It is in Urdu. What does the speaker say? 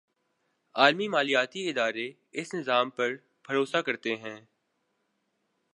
عالمی مالیاتی ادارے اس نظام پر بھروسہ کرتے ہیں۔